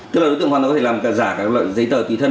tức là đối tượng hoàn toàn có thể làm giả các loại giấy tờ tùy thân